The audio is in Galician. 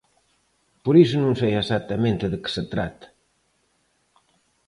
Por iso non sei exactamente de que se trata.